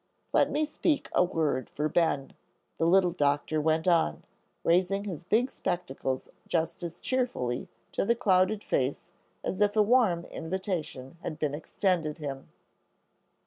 "Let me speak a word for Ben," the little Doctor went on, raising his big spectacles just as cheerfully to the clouded face as if a warm invitation had been extended him.